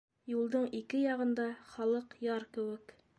Юлдың ике яғында халыҡ яр кеүек.